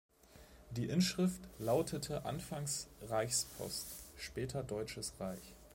Die Inschrift lautete anfangs "Reichspost", später "Deutsches Reich".